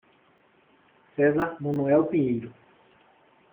Cesar Manoel Pinheiro